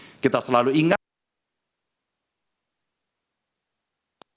dan kita harus berusaha untuk melakukan sesuatu yang lebih baik